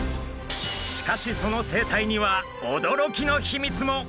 しかしその生態には驚きの秘密も！